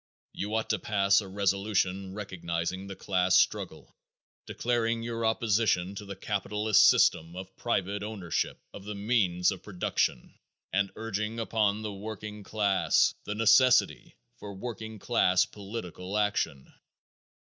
You ought to pass a resolution recognizing the class struggle, declaring your opposition to the capitalist system of private ownership of the means of production, and urging upon the working class the necessity for working class political action.